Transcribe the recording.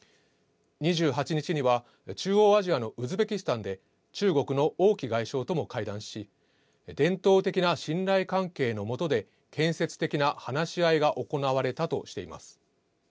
２８日には、中央アジアのウズベキスタンで、中国の王毅外相とも会談し、伝統的な信頼関係のもとで、建設的な話し合いが行われたとしています。